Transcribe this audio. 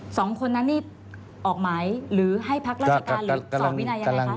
สองคนนั้นนี่ออกหมายหรือให้พักราชการหรือสอบวินัยยังไงคะ